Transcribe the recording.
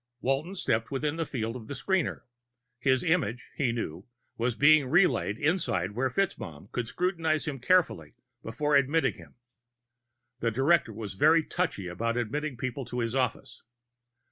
Walton stepped within the field of the screener. His image, he knew, was being relayed inside where FitzMaugham could scrutinize him carefully before admitting him. The director was very touchy about admitting people to his office.